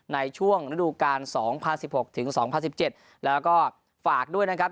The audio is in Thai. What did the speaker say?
ในช่วงฤดูกาล๒๐๑๖ถึง๒๐๑๗แล้วก็ฝากด้วยนะครับ